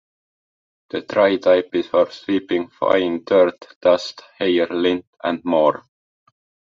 The dry type is for sweeping fine dirt, dust, hair, lint, and more.